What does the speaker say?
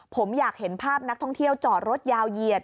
ผมอยากเห็นภาพนักท่องเที่ยวจอดรถยาวเหยียด